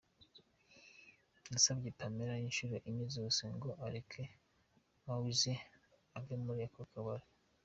"Nasabye Pamela inshuro enye zose ngo areke Mowzey ave muri ako kabari.